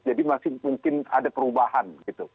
jadi masih mungkin ada perubahan gitu